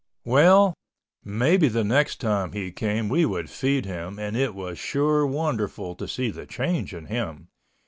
Well, maybe the next time he came we would feed him and it was sure wonderful to see the change in him.